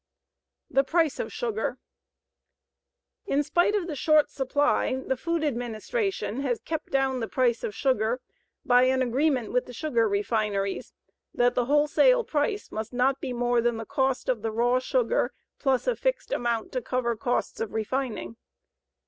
THE PRICE OF SUGAR In spite of the short supply, the Food Administration has kept down the price of sugar by an agreement with the sugar refineries that the wholesale price must not be more than the cost of the raw sugar plus a fixed amount to cover costs of refining.